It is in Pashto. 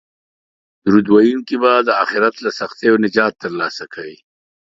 درود ویونکی به د اخرت له سختیو نجات ترلاسه کوي